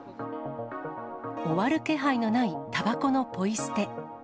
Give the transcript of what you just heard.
終わる気配のないたばこのポイ捨て。